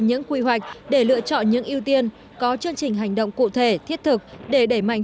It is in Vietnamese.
những quy hoạch để lựa chọn những ưu tiên có chương trình hành động cụ thể thiết thực để đẩy mạnh